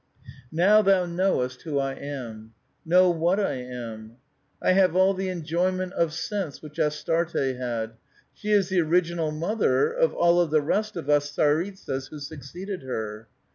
" Now, thou knowest who I am ; know what I am. I have all the enjoyment of sense which Astarte had ; she is the original mother^ of all of the rest of us tsaritsas who suc ceeded her.